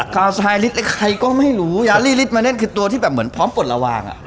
กลาวซาลิสใครก็ไม่รู้ยาริลิมาเนสคือตัวที่แบบเหมือนพร้อมปลดระวังอ่ะ